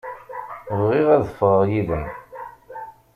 Bɣiɣ ad ffɣeɣ yid-m.